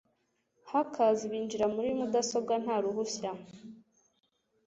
Hackers binjira muri mudasobwa nta ruhushya